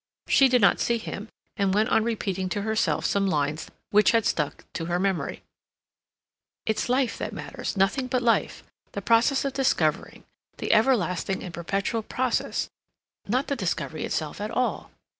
She did not see him, and went on repeating to herself some lines which had stuck to her memory: "It's life that matters, nothing but life—the process of discovering—the everlasting and perpetual process, not the discovery itself at all."